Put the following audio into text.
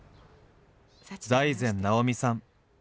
財前直見さん。